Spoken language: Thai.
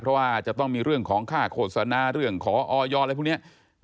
เพราะว่าจะต้องมีเรื่องของค่าโฆษณาเรื่องขอออยอะไรพวกนี้